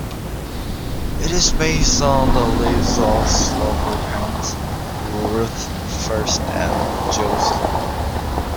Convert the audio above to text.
It is based on the lives of Slovo's parents, Ruth First and Joe Slovo.